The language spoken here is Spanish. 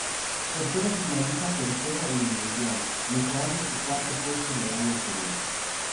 Con todo finaliza tercero en el mundial, mejorando su cuarto puesto del año anterior.